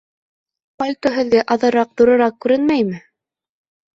Пальто һеҙгә аҙыраҡ ҙурыраҡ күренмәйме?